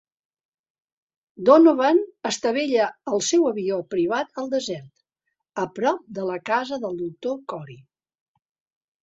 Donovan estavella el seu avió privat al desert, a prop de la casa del doctor Cory.